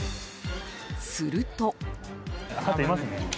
すると。